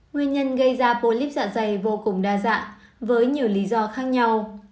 nguyên nhân gây ra polip dạ dày vô cùng đa dạ với nhiều lý do khác nhau